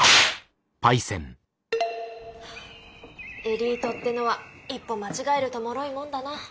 エリートってのは一歩間違えるともろいもんだな。